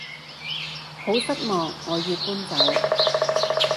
好失望我要搬走